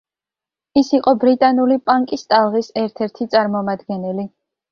ის იყო ბრიტანული პანკის ტალღის ერთ-ერთი წარმომადგენელი.